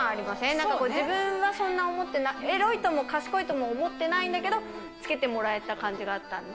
なんか自分はそんな思ってない、エロいとも賢いとも思ってないんだけど、つけてもらえた感じがあったんで。